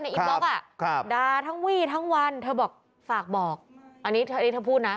อินบล็อกอ่ะครับด่าทั้งวี่ทั้งวันเธอบอกฝากบอกอันนี้เธอพูดนะ